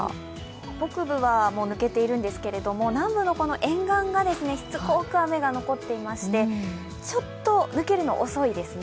北部は抜けているんですけど、南部の沿岸がしつこく雨が残っていましてちょっと抜けるの遅いですね。